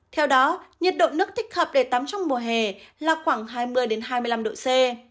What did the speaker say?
theo đó nhiệt độ nước thích hợp để tắm trong mùa hè là khoảng hai mươi hai mươi năm độ c